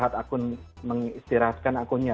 atau mengistirahat akunnya